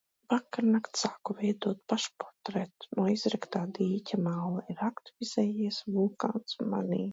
Vakarnakt sāku veidot pašportretu no izraktā dīķa māla. Ir aktivizējies vulkāns manī.